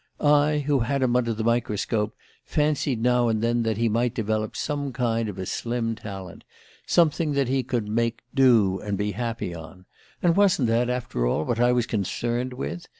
I, who had him under the microscope, fancied now and then that he might develop some kind of a slim talent, something that he could make 'do' and be happy on; and wasn't that, after all, what I was concerned with?